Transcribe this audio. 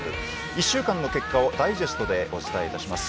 １週間の結果をダイジェストでお伝えします。